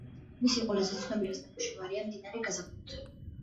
მისი ყველაზე ცნობილი ნამუშევარია „მდინარე გაზაფხულზე“.